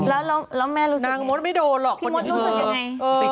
แล้วแม่รู้สึกยังไงพี่มดรู้สึกยังไงนางมดไม่โดนหรอก